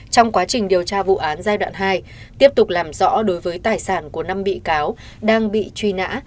trong quá trình điều tra vụ án giai đoạn hai tiếp tục làm rõ đối với tài sản của năm bị cáo đang bị truy nã